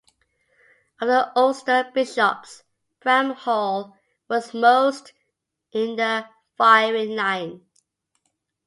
Of the Ulster bishops, Bramhall was most in the firing line.